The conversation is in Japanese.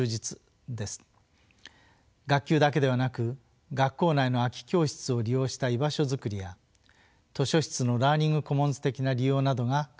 学級だけではなく学校内の空き教室を利用した居場所作りや図書室のラーニングコモンズ的な利用などが考えられます。